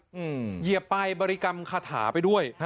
เหยียบไปบริกรรมคาถาไปด้วย